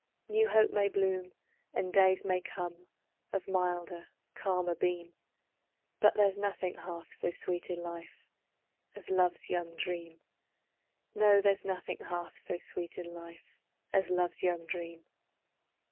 New hope may bloom, And days may come, Of milder, calmer beam, But there's nothing half so sweet in life As love's young dream; No, there's nothing half so sweet in life As love's young dream.